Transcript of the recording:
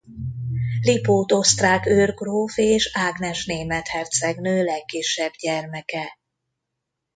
Lipót osztrák őrgróf és Ágnes német hercegnő legkisebb gyermeke.